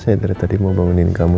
saya dari tadi mau bangunin kamu